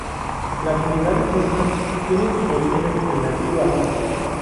Las unidades mismas tienen sus orígenes en la antigua Roma.